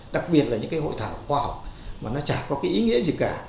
đặc biệt là những hội thảo khoa học mà nó chả có ý nghĩa gì cả